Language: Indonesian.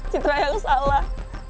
cintra yang salah